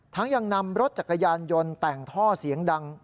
ยังนำรถจักรยานยนต์แต่งท่อเสียงดัง